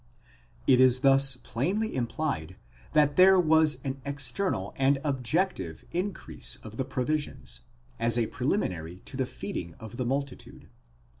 It is thus plainly implied that there was an external and objec tive increase of the provisions, as a preliminary to the feeding of the multitude.